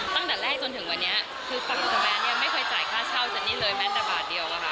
ตั้งแต่แรกจนถึงวันนี้คือฝั่งคุณสแนนเนี่ยไม่เคยจ่ายค่าเช่าเจนนี่เลยแม้แต่บาทเดียวอะค่ะ